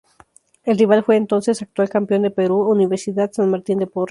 El rival fue el entonces actual campeón de Perú, Universidad San Martín de Porres.